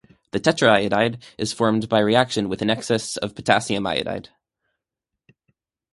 The tetraiodide is formed by reaction with an excess of potassium iodide.